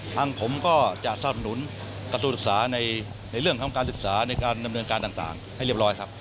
ทางผมก็จะสนับสนุนกระทรวงศึกษาในเรื่องของการศึกษาในการดำเนินการต่างให้เรียบร้อยครับ